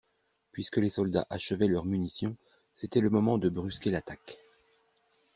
Puisque les soldats achevaient leurs munitions, c'était le moment de brusquer l'attaque.